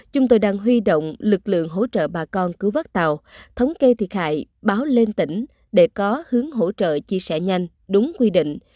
chúng tôi đang huy động lực lượng hỗ trợ bà con cứu vớt tàu thống kê thiệt hại báo lên tỉnh để có hướng hỗ trợ chia sẻ nhanh đúng quy định